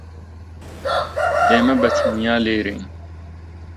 ئێمە بەتەنیا لێرەین.